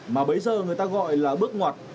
mà bây giờ người ta gọi là bước ngoặt